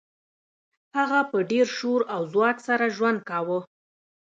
هغه په ډیر شور او ځواک سره ژوند کاوه